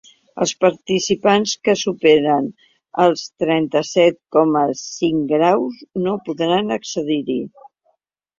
Els participants que superen els trenta-set coma cinc graus no podran accedir-hi.